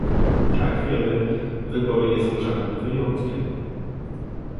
Jak wiemy, wybory nie są żadnym wyjątkiem